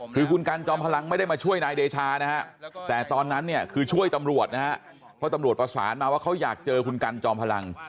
คือคุณกันจอมพลังไม่ได้มาช่วยนายเดชานะฮะแต่ตอนนั้นเนี่ยคือช่วยตำรวจนะฮะเพราะตำรวจประสานมาว่าเขาอยากเจอคุณกันจอมพลัง